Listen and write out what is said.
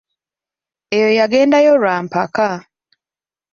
Eyo yagendayo lwa mpaka.